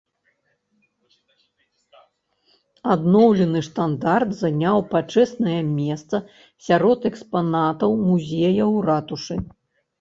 Адноўлены штандар заняў пачэснае месца сярод экспанатаў музея ў ратушы.